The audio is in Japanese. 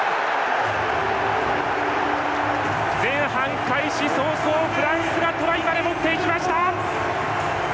前半開始早々、フランスがトライまで持っていきました。